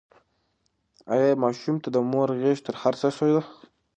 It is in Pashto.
ایا ماشوم ته د مور غېږ تر هر څه ښه ده؟